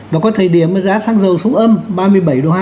và có thời điểm giá xăng dầu xuống âm